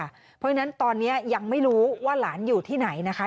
เพราะฉะนั้นตอนนี้ยังไม่รู้ว่าหลานอยู่ที่ไหนนะคะ